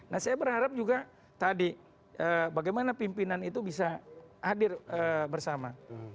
nah saya berharap juga tadi bagaimana pimpinan itu bisa hadir bersama